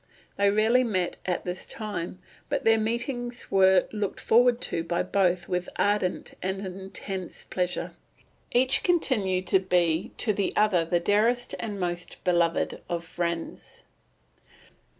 They rarely met at this time, but their meetings were looked forward to by both with ardent and intense pleasure. Each continued to be to the other the dearest and most beloved of friends.